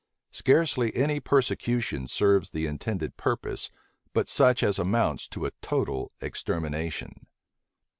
Scarcely any persecution serves the intended purpose but such as amounts to a total extermination.